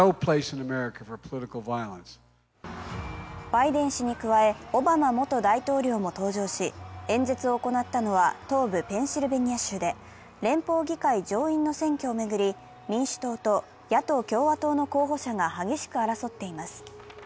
バイデン氏に加え、オバマ元大統領も登場し、演説を行ったのは東部ペンシルペニア州で連邦議会上院の選挙を巡り、民主党と野党・共和党の候補者が激しく争っています。